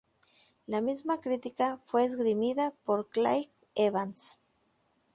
La misma crítica fue esgrimida por Craig Evans.